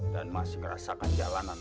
dan masih merasakan jalanan